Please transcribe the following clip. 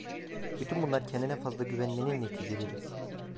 Bütün bunlar kendine fazla güvenmenin neticeleri.